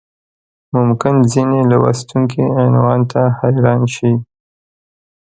ممکن ځینې لوستونکي عنوان ته حیران شي.